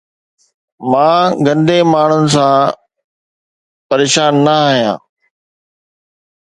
مان گندي ماڻهن سان پريشان نه آهيان